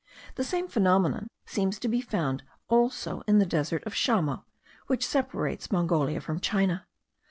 The same phenomenon seems to be found also in the desert of Shamo, which separates Mongolia from China.